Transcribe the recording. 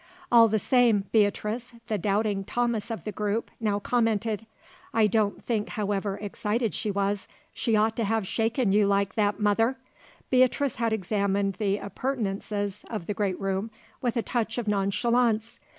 "All the same," Beatrice, the doubting Thomas of the group, now commented, "I don't think however excited she was she ought to have shaken you like that, mother." Beatrice had examined the appurtenances of the great room with a touch of nonchalance.